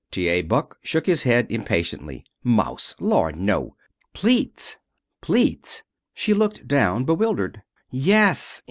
T. A. Buck shook his head, impatiently. "Mouse! Lord, no! Plaits!" "Plaits!" She looked down, bewildered. "Yes.